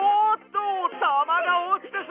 たまがおちてしまった。